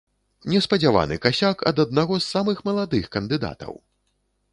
Неспадзяваны касяк ад аднаго з самых маладых кандыдатаў!